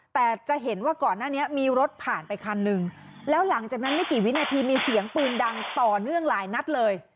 แต่จะเห็นว่าก่อนหน้านี้มีรถผ่านไปคันหนึ่งแล้วหลังจากนั้นไม่กี่วินาทีมีเสียงปืนดังต่อเนื่องหลายนัดเลย